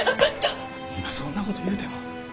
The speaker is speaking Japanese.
今そんなこと言うても。